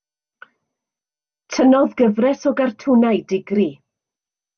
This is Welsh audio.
Tynnodd gyfres o gartwnau digri.